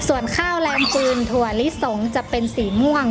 ส่วนข้าวแรมฟืนถั่วลิสงจะเป็นสีม่วง